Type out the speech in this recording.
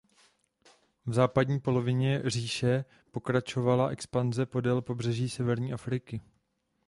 V západní polovině říše pokračovala expanze podél pobřeží severní Afriky.